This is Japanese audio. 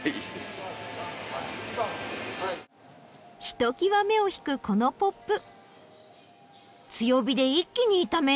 ひときわ目を引くこのポップ。